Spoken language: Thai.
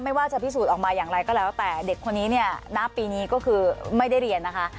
ไม่ว่าจะพิสูจน์ออกมาอย่างไรก็แล้วแต่เด็กคนนี้เนี่ยณปีนี้ก็คือไม่ได้เรียนนะคะ